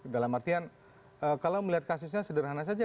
dalam artian kalau melihat kasusnya sederhana saja